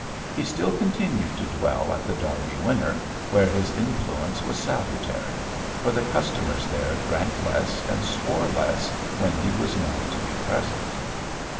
He still continued to dwell at The Derby Winner, where his influence was salutary, for the customers there drank less and swore less when he was known to be present.